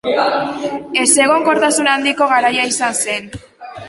Ezegonkortasun handiko garaiak izan ziren.